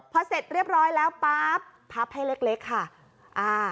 พอเสร็จเรียบร้อยแล้วปั๊บพับให้เล็กเล็กค่ะอ่า